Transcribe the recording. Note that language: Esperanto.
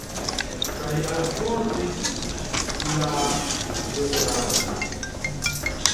Kaj alportis la deklaron.